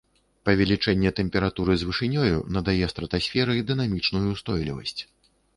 Павелічэнне тэмпературы з вышынёю надае стратасферы дынамічную ўстойлівасць.